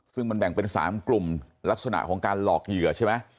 ซึ่งมันแบ่งเป็น๓กลุ่มลักษณะของการหลอกเหยื่อใช่ไหม